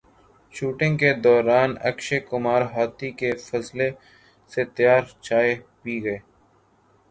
shooting کے دوران اکشے کمار ہاتھی کے فضلے سے تیار چائے پی گئے